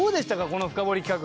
この深掘り企画。